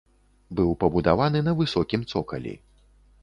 Быў пабудаваны на высокім цокалі.